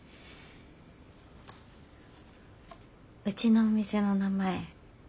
うちのお店の名前